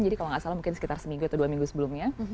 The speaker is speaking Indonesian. kalau nggak salah mungkin sekitar seminggu atau dua minggu sebelumnya